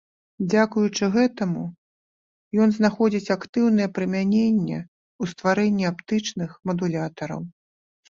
Дзякуючы гэтаму ён знаходзіць актыўнае прымяненне ў стварэнні аптычных мадулятараў.